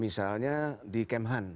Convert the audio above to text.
misalnya di kemhan